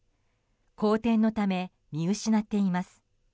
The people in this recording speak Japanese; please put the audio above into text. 荒天のため見失っています。